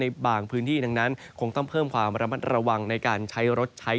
บางพื้นที่ดังนั้นคงต้องเพิ่มความระมัดระวังในการใช้รถใช้